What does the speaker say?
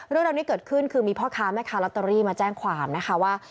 เรื่องราวนี้เกิดขึ้นคือมีพ่อค้าแม่ค้าลอตเตอรี่มาแจ้งความนะคะว่า